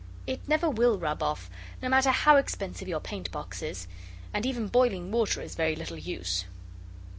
It never will rub off; no matter how expensive your paintbox is and even boiling water is very little use.